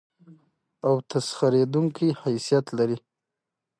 او تسخېرېدونکى حيثيت لري.